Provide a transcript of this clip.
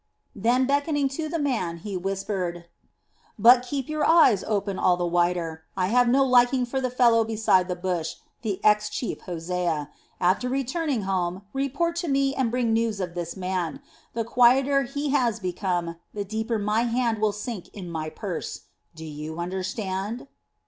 Then, beckoning to the man, he whispered: "But keep your eyes open all the wider; I have no liking for the fellow beside the bush, the ex chief Hosea. After returning home, report to me and bring news of this man. The quieter he has become, the deeper my hand will sink in my purse. Do you understand?"